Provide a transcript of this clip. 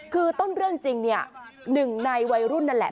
คือต้นเรื่องจริงเนี่ยหนึ่งในวัยรุ่นนั่นแหละ